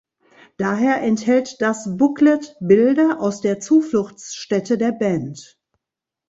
Daher enthält das Booklet Bilder aus der Zufluchtsstätte der Band.